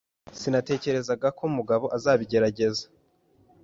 Sinatekerezaga ko Mugabo azabigerageza.